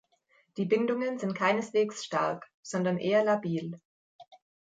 Die Bindungen sind keineswegs stark, sondern eher labil.